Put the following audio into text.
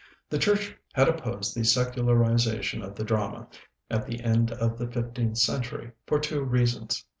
The Church had opposed the secularization of the drama, at the end of the fifteenth century, for two reasons.